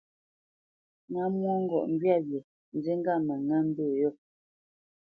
Ŋá mwôŋgɔʼ ŋgywâ wye, nzí ŋgâʼ mə ŋá mbə̂ yô.